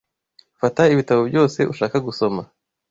Fata ibitabo byose ushaka gusoma.